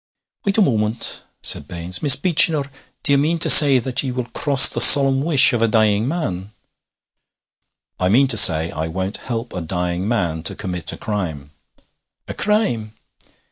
'Wait a moment,' said Baines. 'Miss Beechinor, do ye mean to say that ye will cross the solemn wish of a dying man?' 'I mean to say I won't help a dying man to commit a crime.' 'A crime?'